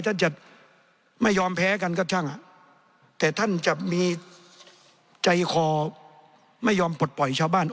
ท่านจะไม่ยอมแพ้กันก็ช่างอ่ะแต่ท่านจะมีใจคอไม่ยอมปลดปล่อยชาวบ้าน